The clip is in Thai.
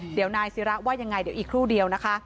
เดี๋ยวนายศิระว่ายังไงเดี๋ยวอีกครู่เดียวนะคะ